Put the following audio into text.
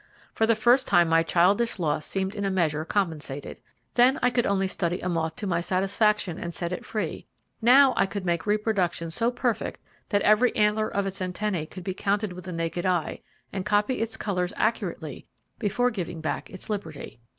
For the first time my childish loss seemed in a measure compensated. Then, I only could study a moth to my satisfaction and set it free; now, I could make reproductions so perfect that every antler of its antennae could be counted with the naked eye, and copy its colours accurately, before giving back its liberty.